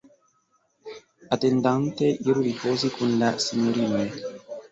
Atendante, iru ripozi kun la sinjorinoj.